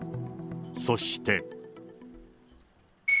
そして。